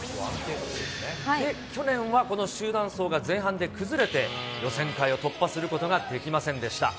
去年はこの集団走が終盤で崩れて、予選会を突破することができませんでした。